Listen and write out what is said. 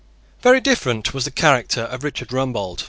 Very different was the character of Richard Rumbold.